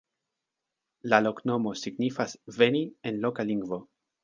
La loknomo signifas "veni" en loka lingvo.